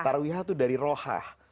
tarwiha itu dari rohah